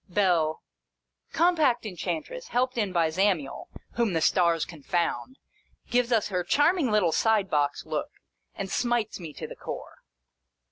Bell. Compact Enchantress, helped in by Zamiel, (whom the stars confound !) gives us her charming little side box look, and smites me to the core.